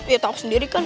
iyan tau sendiri kan